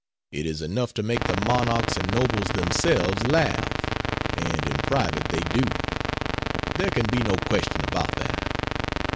It is enough to make the monarchs and nobles themselves laugh and in private they do; there can be no question about that.